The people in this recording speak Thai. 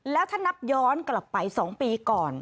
แล้วถ้านับย้อนกลับไป๒ปีก่อน